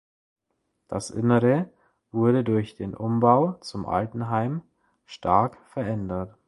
Das Innere wurde durch den Umbau zum Altenheim stark verändert.